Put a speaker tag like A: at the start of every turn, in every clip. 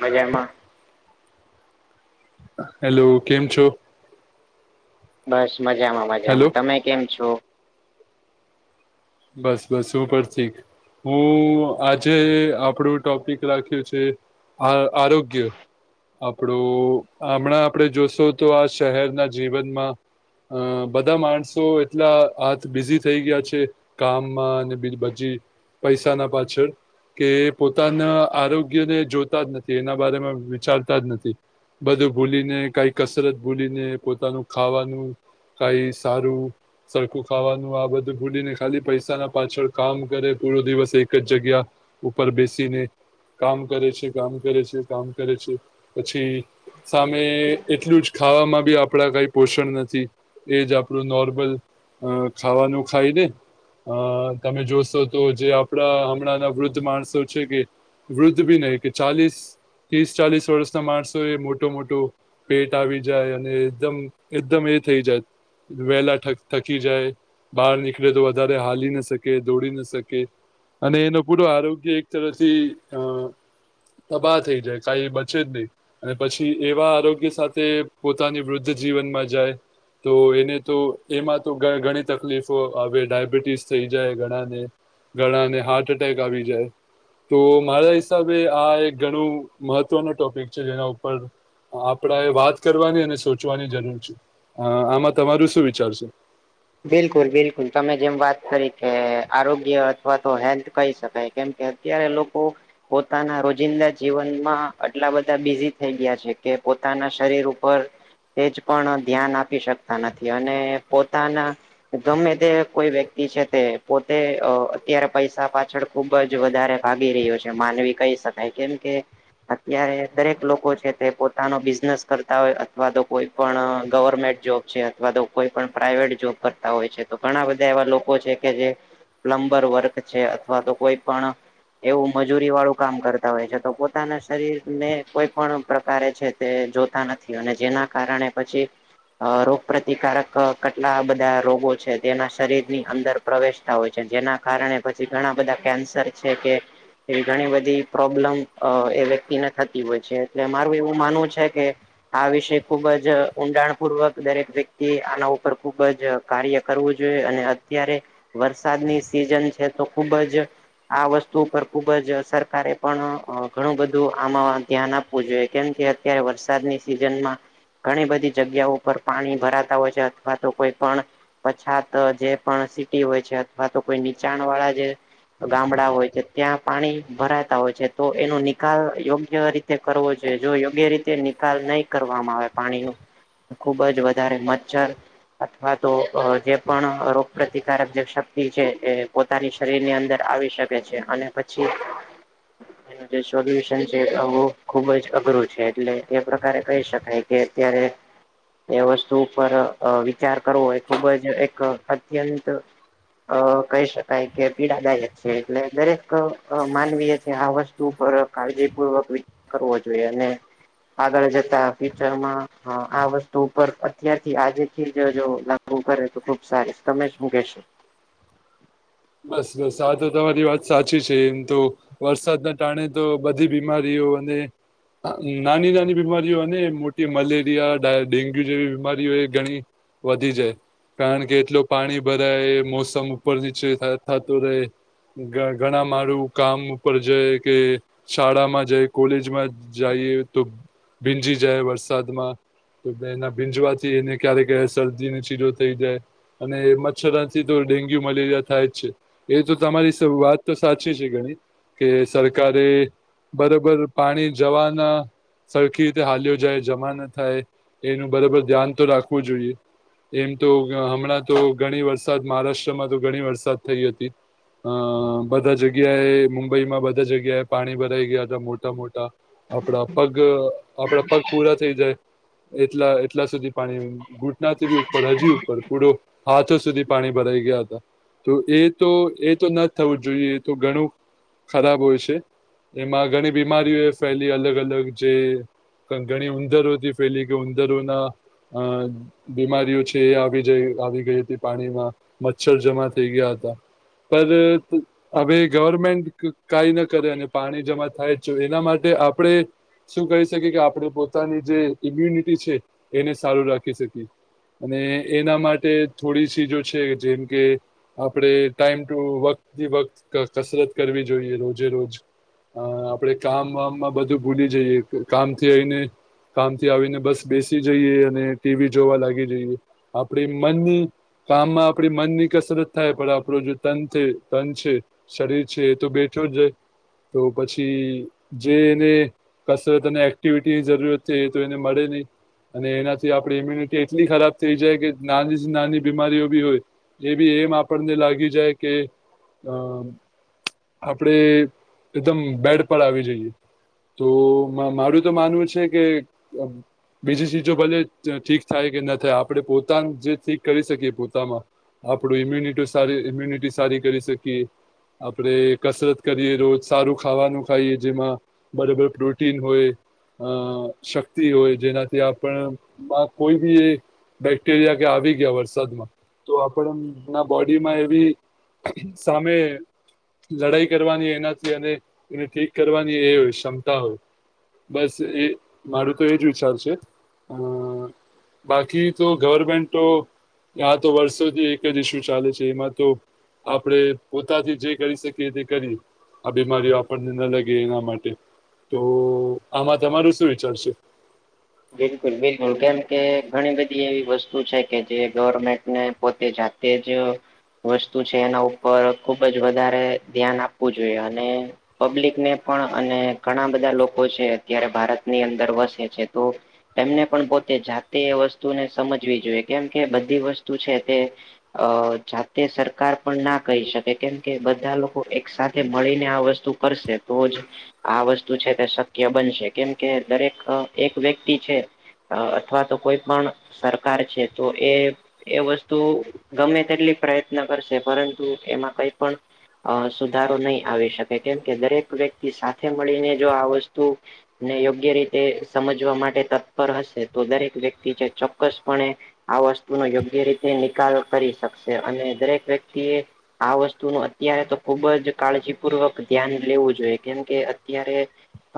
A: મજામાં.
B: હેલો કેમ છો?
A: બસ મજામાં
B: હેલો
A: મજામાં તમે કેમ છો?
B: બસ બસ હું પણ ઠીક. હું આજે આપણું ટોપિક રાખ્યું છે. આ આરોગ્ય. આપણું હમણાં આપણે જોશુંતો આ શહેરના જીવનમાં અ બધા માણસો એટલા આજ બધા બિઝી થઈ ગયા છે. કામમાં અને બીજીબાજુ પૈસાના પાછળ. કે પોતાના આરોગ્યને જોતા જ નથી એના બારેમા વિચારતા જ નથી. બધું ભૂલીને કઈ કસરત ભૂલીને પોતાનું ખાવાનું કાઈ સારું સરખું ખાવાનું આ બધું ભૂલીને ખાલી પૈસા ના પાછળ કામ કરે પૂરો દિવસ એક જ જગ્યા ઉપર બેસીને. કામ કરે છે કામ કરે છે, કામ કરે છે, પછી સામે એટલું જ ખાવામાં ભી આપણે કાઈ પોષણ નથી એજ આપણું નોર્મલ અ ખાવાનું ખાઈ ને! અ તમે જોશોતો જે આપણા હમણાંના વૃદ્ધ માણસો છે એ વૃદ્ધ ભી નહી કે ચાલીસ ત્રીસ ચાલીસ વર્ષના માણસોએ મોટુ મોટુ પેટ આવી જાય અને એકદમ એકદમ એ થઇ જાય. વહેલા થક થકી જાય બહાર નીકળે તો વધુ વધારે હાલી ન શકે દોડી ન શકે. અને એનું પૂરું આરોગ્ય એક તરફથી અ તબાહ થઈ જાય કાઈ બચે જ નહી. અને પછી એવા આરોગ્ય સાથે પોતાની વૃદ્ધ જીવનમાં જાય. તો એને તો એમાં તો ઘણી તકલીફો આવે ડાયા બિટીસ થઈ જાય ઘણાને ઘણા ને હાર્ટ એટેક આવી જાય. તો મારા હિસાબે આ એક ઘણું મહત્વનો ટોપિક છે જેના ઉપર આપડા એ વાત કરવાની અને સોચવાની જરૂર છે. અ આમાં તમારું શું વિચાર છે.
A: બિલકુલ બિલકુલ તમે જેમ વાત કરી કે આરોગ્ય અથવા તો હેલ્થ કહી શકાય કેમ કે ત્યારે લોકો પોતાના રોજિંદા જીવનમાં આટલા બધા બિઝી થઈ ગ્યા છે કે પોતાના શરીર ઉપર સેજ પણ ધ્યાન આપી શકતા નથી અને પોતાના ગમે તે કોઈ વ્યક્તિ છે તે પોતે અ અત્યારે પૈસા પાછળ ખુબ જ વધારે ભાગી રહ્યો છે. માનવી કહી શકાય કેમ કે અત્યારે દરેક લોકો છે તે પોતાનો બિઝનેસ કરતા હોય અથવા તો કોઈ પણ ગવર્નમેન્ટ જોબ છે અથવા તો કોઈ પણ પ્રાઇવેટ જોબ કરતા હોય છે, તો ઘણા બધા એવા લોકો છે કે જે પ્લમ્બર-વર્ક છે અથવા તો કોઈ પણ એવું મજૂરીવાળું કામ કરતા હોય છે, તો પોતાના શરીરને કોઈ પણ પ્રકારે છે તે જોતા નથી અને જેના કારણે પછી અ રોગ પ્રતિકારક અ કટલા બધા રોગો છે તેના શરીરની અંદર પ્રવેશતા હોય છે જેના કારણે પછી ઘણા બધા કેન્સર છે કે એવી ઘણી બધી પ્રોબ્લેમ અ એ વ્યક્તિને થતી હોય છે એટલે મારું એવું માનવું છે કે આ વિશે ખુબ જ ઊંડાણપૂર્વક દરેક વ્યક્તિએ આના ઉપર ખુબ જ કાર્ય કરવું જોઈએ અને અત્યારે વરસાદની સિઝન છે તો ખુબ જ આ વસ્તુ ઉપર ખુબ જ સરકારે પણ અ ઘણું બધું આમાં ધ્યાન આપ વું જોઈએ કેમ કે અત્યારે વરસાદની સિઝનમાં ઘણી બધી જગ્યા ઉપર પાણી ભરા તા હોય છે અથવા તો કોઈ પણ પછાત અ જે પણ સિટી હોય છે અથવા તો કોઈ નીચાણવાળા જે ગામડા હોય છે ત્યાં પાણી ભરાતા હોય છે તો એનો નિકાલ યોગ્ય રી તે કરવો જોઈએ. જો યોગ્ય રીતે નિકાલ નહી કરવામાં આવે પાણીનું ખૂબ જ વધારે મચ્છર અથવા તો અ જે પણ રોગપ્રતિકારક જે શક્તિ છે એ પોતાની શરીરની અંદર આવી શકે છે અને પછી
B: [inaudible]
A: એનું જે સોલ્યુશન છે [unintelligible] ખૂબ જ અઘરો છે એટલે એ પ્રકારે કહી શકાય કે અત્યારે એ વસ્તુ ઉપર અ વિચાર કરવો એ ખૂબ જ એક અત્યંત અ કહી શકાય કે પીડાદાયલક છે એટલે દરેક અ માનવીય છે આ વસ્તુ ઉપર કાળજીપૂર્વક વી કરવો જોઈએ અને આગળ જતા ફ્યુચરમાં અ આ વસ્તુ ઉપર ત્યારથી આજેથી જ જો લાગુ કરે તો ખુબ સારી, તમે જ શું કેસો?
B: બસ બસ આ તો તમારી વાત સાચી છે એમ તો વરસાદના ટાણે તો બધી બીમારીઓ અને નાની નાની બીમારીઓ અને મોટી મલેરિયા ડા ડેન્ગ્યુ જેવી બીમારીઓ એ ઘણી વધી છે. કારણ કે, એટલું પાણી ભરાય, મોસમ ઉપર નીચે અ થાતું રહે ઘ ઘણા મારુ કામ ઉપર જાય કે શાળામાં જાય, કોલેજમાં જાઈએ તો ભીંજી જાય વરસાદમાં તો તેના ભીંજવાથી એને ક્યારેક ક્યારેક શરદીની [unintelligible] થઈ જાય. અને મચ્છરાથી તો ડેન્ગ્યુ, મલેરિયા થાય છે. એ તો તમારી સ વાત તો સાચી છે ઘણી, કે સરકારે બરોબર પાણી જવાના સરખી રીતે હાલ્યો જાય જમા ન થાય એનું બરાબર ધ્યાન તો રાખવું જોઈએ એમ તો હમણાં તો ઘણી વરસાદ મહારાષ્ટ્રમાં તો ઘણી વરસાદ થઈ હતી હ બધા જગ્યાએ મુંબઈમાં બધા જગ્યાએ પાણી ભરાઈ ગયા તા મોટા મોટા આપડા પગ આપડા પગ પૂરા થઈ જાય એટલા એટલા સુધી પાણી ઘૂંટનાથી બી ઉપર હજી ઉપર પૂડો હાથો સુધી પાણી ભરાઈ ગયા હતા તો એ તો એ તો ન થવું જોઈએ એ તો ઘણું ખરાબ હોય છે. એમાં ઘણી બીમારીઓ ફેલી અલગ અલગ જે ઘણી ઉંદરોથી ફેલી કે ઉંદરોના અ બીમારીઓ છે એ આવી જઈ આવી ગઈ હતી પાણીમાં મચ્છર જમા થઈ ગયા હતા પર હવે ગવર્મેન્ટ કઈ ન કરે અને પાણી જમા થાય એના માટે આપણેે શું કરી શકીએ કે આપણે પોતાની જે ઈમ્યુનિટી છે એને સારું રાખી શકીએ અને એના માટે થોડી સીજો છે જેમ કે આપણેે ટાઈમ ટુ વર્ક વખત કસરત કરવી જોઈએ રોજે રોજ હ આપડે કામ [unintelligible] માં બધું જઈએ કામથી આય ને કામથી આવીને બસ બેસી જઈએ અને ટીવી જોવા લાગી જઈએ આપણી મનની કામમાં આપડી મનની કસરત થાય પણ આપણો જે તન છે તન છે શરીર છે એ તો બેઠું જ રે તો પછી જે એને કસરત અને એક્ટિવિટીની જરૂરિયાત છે એ તો એને મળે નઈ અને એનાથી આપણી ઈમ્યુનિટી એટલી ખરાબ થઈ જાય કે નાની જ નાની બીમારીઓ બી હોય એ બી એમ આપણને લાગી જાય કે અમ આપડે એકદમ બેડ પર આવી જઈએ તો મારું તો માનવું છે કે બીજી ચીજો ભલે ઠીક થાય કે ના થાય આપણે પોતાનું જે ઠીક કરી શકીએ પોતામાં આપડું ઇમ્યુનિટી સારી ઇમ્યુનિટી સારી કરી શકીએ આપડે કસરત કરીએ રોજ સારું ખાવાનું ખાઈએ જેમાં બરાબર પ્રોટીન હોય અ શક્તિ હોય જેનાથી આપણમાં કોઈ બી એ બેક્ટેરિયા કે આવી ગયા વરસાદમાં તો આપડમાં બોડીમાં એવી સામે લડાઈ કરવાની એનાથી અને એને ઠીક કરવાની એ ક્ષમતા હોય બસ એ મારું તો એજ વિચાર છે અ બાકી તો ગવર્મેન્ટ તો આ તો વર્ષોથી એક જ ઇસ્યુ ચાલે છે એમાં તો આપણે પોતાથી જે કરી શકીએ તે કરીએ આ બીમારીઓ આપણને ન લગે એના માટે તો આમાં તમારું શું વિચારશે
A: બિલકુલ બિલકુલ કેમ કે ઘણી બધી એવી વસ્તુ છે કે જે ગવર્મેન્ટને પોતે જાતે જ વસ્તુ છે એના ઉપર ખુબ જ વધારે ધ્યાન આપવું જોઈએ અને પબ્લિકને પણ અને ઘણા બધા લોકો છે અત્યારે ભારતની અંદર વસે છે. તો તેમને પણ પોતે જાતે એ વસ્તુને સમજવી જોઈએ કેમ કે બધી વસ્તુ છે તે અ જાતે સરકાર પણ ના કહી શકે કેમ કે બધા લોકો એક સાથે મળીને આ વસ્તુ કરશે તો જ આ વસ્તુ છે તે શક્ય બનશે કેમ કે દરેક એક વ્યક્તિ છે અથવા તો કોઈ પણ સરકાર છે તો એ એ વસ્તુ ગમે તેટલી પ્રયત્ન કરશે પરંતુ એમાં કઈ પણ અ સુધારો નહી આવી શકે કેમ કે દરેક વ્યક્તિ સાથે મળીને જો આ વસ્તુ ને યોગ્ય રીતે સમજવા માટે તત્પર હશે તો દરેક વ્યક્તિ જે ચોક્કસપણે આ વસ્તુનો યોગ્ય રીતે નિકાલ કરી શકશે અને દરેક વ્યક્તિએ આ વસ્તુનું અત્યારે તો ખુબ જ કાળજીપૂર્વક ધ્યાન લેવું જોઈએ કેમ કે અત્યારે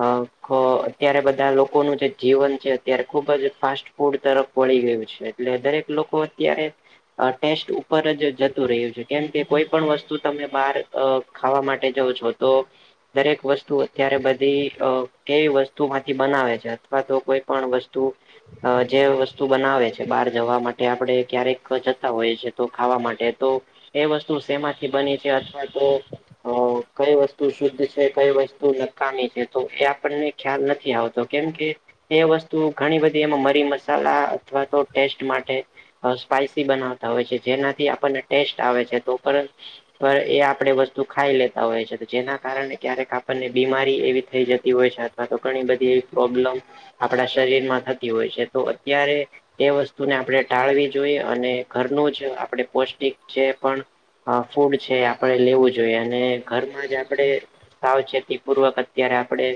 A: અ ખ અત્યારે બધા લો કોનું જે જીવન છે અત્યારે ખુબ જ ફાસ્ટ ફૂડ તરફ વળી ગયું છે એટલે દરેક લોકો અત્યારે અ ટેસ્ટ ઉપર જ જતું રહ્યું છે કેમ કે કોઈ પણ વસ્તુ તમે બહાર અ ખાવા માટે જવ છો દરેક વસ્તુ અત્યારે બધી અ કેવી વસ્તુમાંથી બનાવે છે. ને અથવા તો કોઈ પણ વસ્તુ અ જે વસ્તુ બનાવે છે બહાર જવા માટે આપડે ક્યારેક જતા હોઈએ છી એ તો ખાવા માટે તો એ વસ્તુ શેમાંથી બની છે અથવા તો તો કઈ વસ્તુ શુદ્ધ છે કઈ વસ્તુ નકામી છે તો એ આપણને ખ્યાલ નથી આવતો. કેમ કે એ વસ્તુ ઘણી બધી એમાં મરી મસાલા અથવા તો ટેસ્ટ માટે અ સ્પાઈસી બનાવતા હોય છે જેનાથી આપણને ટેસ્ટ આવે છે તો પણ પર એ આપણે વસ્તુ ખાઈ લેતા હોય છે જેના કારણે ક્યારેક આપણને બિમારી એવી થઈ જતી હોય છે. તો પણ બધી એવી પ્રોબ્લેમ આપડા શરીરમાં થતી હોય છે તો અત્યારે એ વસ્તુને આપડે ટાળવી જોઈએ અને ઘરનું જ આપડે પૌષ્ટિક જે પણ અ ફૂડ છે એ આપણે લેવું જોઈએ અને ઘરમાં જ આપડે સાવચેતી પૂર્વક અત્યારે આપડે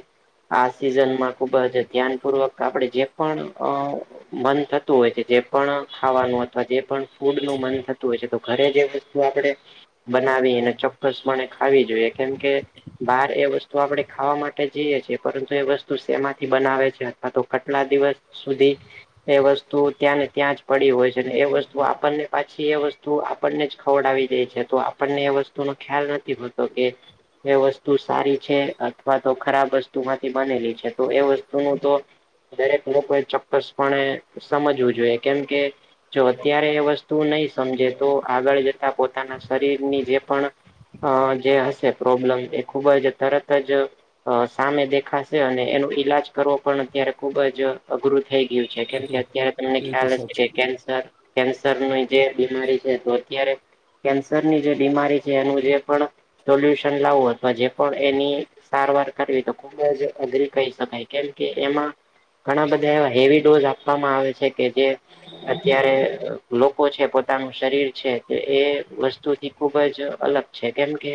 A: આ સિઝનમાં ખૂબ જ ધ્યાનપૂર્વક આપડે જે પણ અ મન થતું હોય છે જે પણ ખાવાનું અથવા જે પણ ફૂડનું મન થતું હોય છે તો ઘરે જ એ વસ્તુ આપડે બનાવી અને ચોક્કસપણે ખાવી જોઈએ કેમ કે બહારએ વસ્તુ આપણે ખાવા માટે જઈએ છીએ પરંતુ એ વસ્તુ શેમાં થી બનાવે છે અથવા તો કટલા દિવસ સુધી એ વસ્તુ ત્યાંને ત્યાં જ પડી હોય છે ને એ વસ્તુ આપણને પાછી એ વસ્તુ આપણને જ ખવડાવી દેય છે તો આપણને એ વસ્તુનો ખ્યાલ ન થી હોતો કે એ વસ્તુ સારી છે અથવા તો ખરાબ વસ્તુમાંથી બનેલી છે. તો એ વસ્તુનું તો દરેક લોકોએ ચોક્કસપણે સમજવું જોઈએ કેમ કે જો અત્યારે એ વસ્તુ નહી સમજે તો આગળ જતા પોતાના શરીરની જે પણ અ જે હશે પ્રોબ્લેમ તે ખુબ જ તરત જ અ સામે દેખાશે અને એનું ઈલાજ કરવો પણ અત્યારે ખુબ જ અઘરું થઈ ગયું છે
B: એ
A: કેમ
B: તો
A: કે અત્યારે તમને
B: એ તો
A: ખ્યાલ હશે કે
B: સાચું
A: કેન્સર કેન્સરનું ય જે બીમારી છે તો અત્યારે કેન્સરની જે બીમારી છે એનું જે પણ સોલ્યુશન લાવું અથવા જે પણ એની સારવાર કરવી તો ખુબ જ અઘરી કહી શકાય કેમ કે એમાં ઘણા બધા એવા હેવી ડોઝ આપવામાં આવે છે કે જે અત્યારે લોકો છે પોતાનું શરીર છે તો એ વસ્તુથી ખુબ જ અલગ છે કેમ કે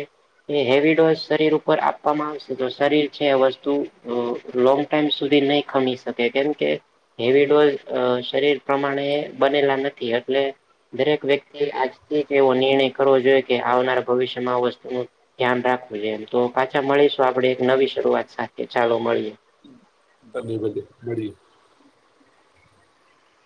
A: એ હેવી ડોઝ શરીર ઉપર આપવામાં આવશે તો શરીર છે એ વસ્તુ અ લોંગ ટાઈમ સુધી નહી ખમી શકે કેમ કે હેવી ડોઝ એ શરીર પ્રમાણે બનેલા નથી એટલે દરેક વ્યક્તિ આજથી એક એવો નિર્ણય કરવો જોઈએ કે આવનારા ભવિષ્યમાં આ વસ્તુનું ધ્યાન રાખવું જોઈએ એમ તો પાછા મળીશું આપડે એક નવી શરૂઆત સાથે ચાલો મળીએ.
B: ઘણી બધી મેળવી